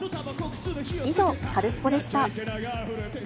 以上、カルスポっ！でした。